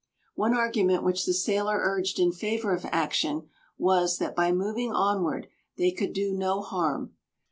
One argument which the sailor urged in favour of action was, that by moving onward they could do no harm.